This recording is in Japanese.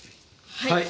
はい。